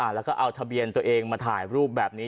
แล้วก็เอาทะเบียนตัวเองมาถ่ายรูปแบบนี้